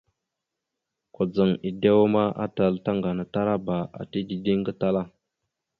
Kudzaŋ edewa ma, atal tàŋganatalaba ata dideŋ gatala.